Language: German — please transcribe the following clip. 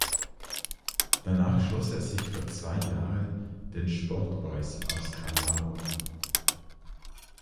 Danach schloss er sich für zwei Jahre den Sport Boys aus Callao an.